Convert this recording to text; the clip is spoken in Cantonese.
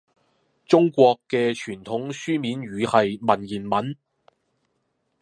中國嘅傳統書面語係文言文